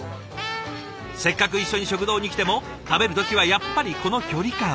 せっかく一緒に食堂に来ても食べる時はやっぱりこの距離感。